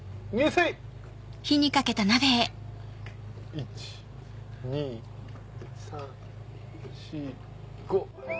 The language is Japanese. １・２・３・４・５！